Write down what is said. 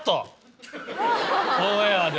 オンエアで。